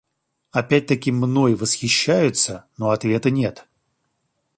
Опять-таки, мной восхищаются, но ответа нет.